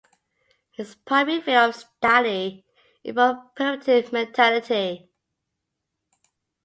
His primary field of study involved primitive mentality.